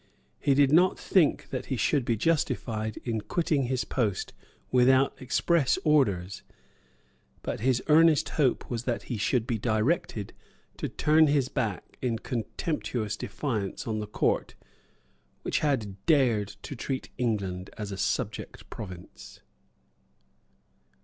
He did not think that he should be justified in quitting his post without express orders; but his earnest hope was that he should be directed to turn his back in contemptuous defiance on the Court which had dared to treat England as a subject province.